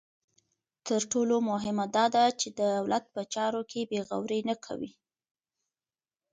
تر ټولو مهمه دا ده چې دولت په چارو کې بې غوري نه کوي.